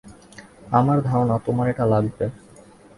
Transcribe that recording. আমার ধারণা, তোমার এটা লাগবে।